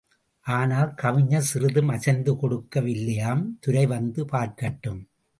ஆனால் கவிஞர் சிறிதும் அசைந்து கொடுக்க வில்லையாம் துரை வந்து பார்க்கட்டும்.